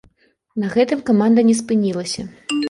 На гэтым каманда не спынілася.